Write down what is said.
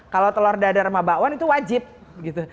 kalau telur dadar mabawan itu wajib gitu